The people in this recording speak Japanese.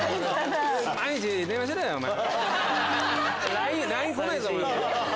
ＬＩＮＥ来ないぞ。